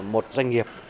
một doanh nghiệp